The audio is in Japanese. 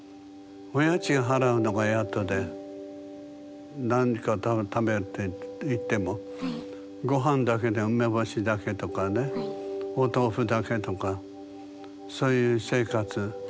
お家賃払うのがやっとで何か食べるっていってもごはんだけで梅干しだけとかねお豆腐だけとかそういう生活。